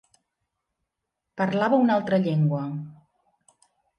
Parlava una altra llengua.